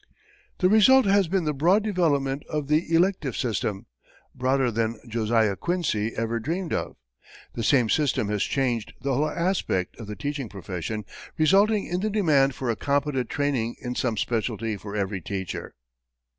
The result has been the broad development of the elective system broader than Josiah Quincy ever dreamed of. The same system has changed the whole aspect of the teaching profession, resulting in the demand for a competent training in some specialty for every teacher.